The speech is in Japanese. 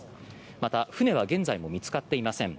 また、船は現在も見つかっていません。